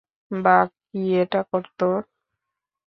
বাক কি এটা করত?